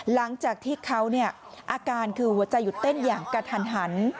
หลังจากที่เขาอาการคือหัวใจหยุดเต้นอย่างกระทันหัน